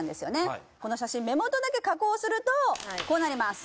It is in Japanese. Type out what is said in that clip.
はいはいこの写真目元だけ加工するとこうなります